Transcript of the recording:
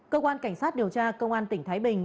cơ quan cảnh sát điều tra công an tỉnh thái bình